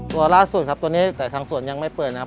ตัวล่าสุดครับตัวนี้แต่ทางสวนยังไม่เปิดนะครับ